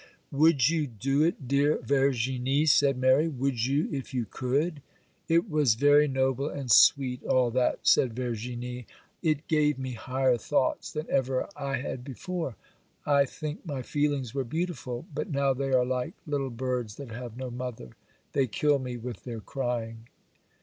'Would you do it, dear Verginie,' said Mary; 'would you if you could?' 'It was very noble and sweet, all that,' said Verginie; 'it gave me higher thoughts than ever I had before. I think my feelings were beautiful,—but now they are like little birds that have no mother—they kill me with their crying.